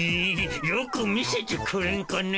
よく見せてくれんかね。